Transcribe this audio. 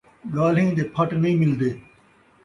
ڳالھیں دے پھٹ نئیں ملدے